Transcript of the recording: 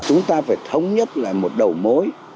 chúng ta phải thống nhất lại một đầu mối